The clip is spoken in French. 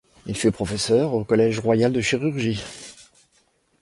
Il fut professeur au Collège royal de chirurgie.